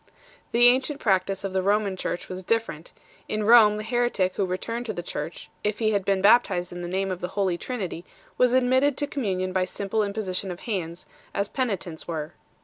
The ancient practice of the Roman Church was different ; in Rome the heretic who returned to the Church, if he had been baptized in the name of the Holy Trinity, was admitted to communion by simple imposition of hands 5 , as penitents were.